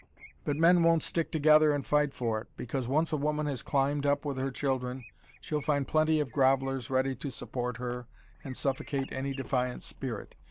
But men won't stick together and fight for it. Because once a woman has climbed up with her children, she'll find plenty of grovellers ready to support her and suffocate any defiant spirit.